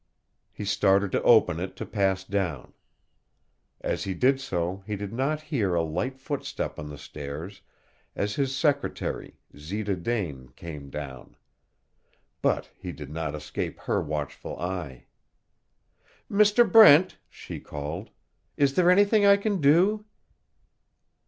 He started to open it to pass down. As he did so he did not hear a light footstep on the stairs as his secretary, Zita Dane, came down. But he did not escape her watchful eye. "Mr. Brent," she called, "is there anything I can do?"